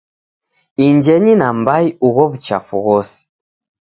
Injenyi na mbai ugho w'uchafu ghose.